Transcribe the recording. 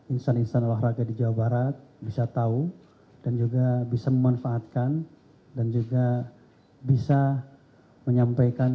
insan insan olahraga di jawa barat bisa tahu dan juga bisa memanfaatkan dan juga bisa menyampaikan